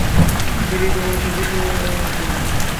Please, আমাদেরকে যেতে দিন!